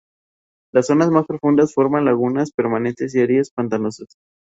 Las zonas más profundas forman lagunas permanentes y áreas pantanosas.